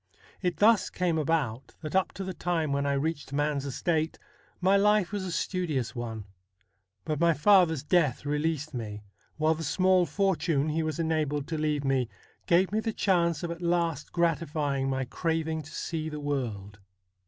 It thus came about that up to the time when I reached man's estate my life was a studious one. But my father's death released me, while the small fortune he was enabled to leave me gave me the chance of at last gratifying my craving to see the world.